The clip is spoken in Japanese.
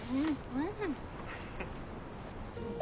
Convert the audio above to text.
おいしい